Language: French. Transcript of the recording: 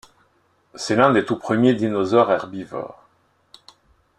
C'est l'un des tout premiers dinosaures herbivore.